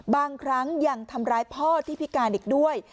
บางครั้งยังทำร้ายพ่อที่พิการอีกด้วย